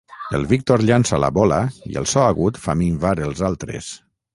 El Víctor llança la bola i el so agut fa minvar els altres.